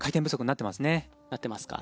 なってますか。